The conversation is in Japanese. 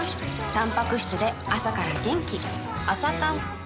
たんぱく質で朝から元気